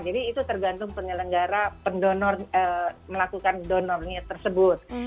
jadi itu tergantung penyelenggara melakukan donor nya tersebut